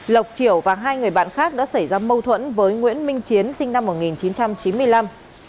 lộc triểu và hai người bạn khác đã xảy ra mâu thuẫn với nguyễn minh chiến sinh năm một nghìn chín trăm chín mươi năm